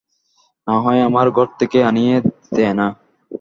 না হয় আমার ঘর থেকেই আনিয়ে দে-না।